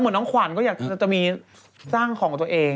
เหมือนน้องขวัญก็อยากจะมีสร้างของตัวเอง